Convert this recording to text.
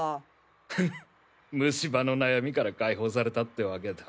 フッ虫歯の悩みから解放されたってわけだ。